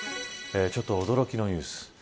ちょっと驚きのニュース。